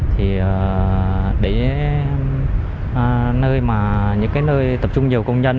thì đấy nơi mà những cái nơi tập trung nhiều công nhân